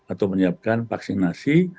atau menyiapkan vaksinasi